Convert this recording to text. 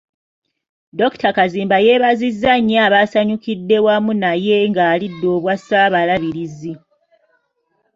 Dr. Kazimba yeebazizza nnyo abaasanyukidde wamu naye nga alidde obwa Ssaabalabirizi.